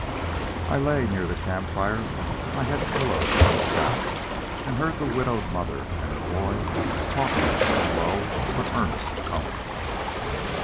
I lay near the campfire, my head pillowed on a saddle, and heard the widowed mother and her boy talking in low but earnest tones.